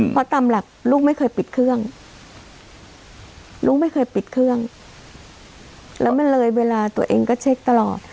เพราะตามหลักลูกไม่เคยปิดเครื่องลูกไม่เคยปิดเครื่องแล้วมันเลยเวลาตัวเองก็เช็คตลอด